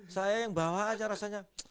saya yang bawa aja rasanya